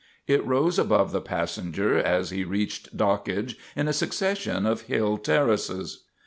It rose above the passenger, as he reached dockage, in a succession of hill terraces.